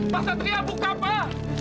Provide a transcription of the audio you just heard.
masa dia buka pak